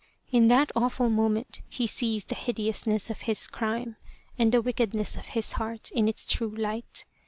In that awful moment he sees the hideousness of his crime and the wickedness of his heart in its true light.